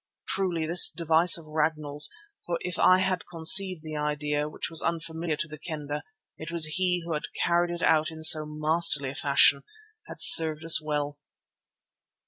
Truly this device of Ragnall's, for if I had conceived the idea, which was unfamiliar to the Kendah, it was he who had carried it out in so masterly a fashion, had served us well.